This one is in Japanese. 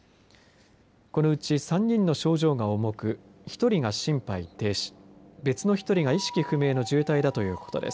このうち３人の症状が重く１人が心肺停止別の１人が意識不明の重体だということです。